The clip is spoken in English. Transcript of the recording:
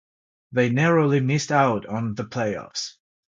They narrowly missed out on the playoffs.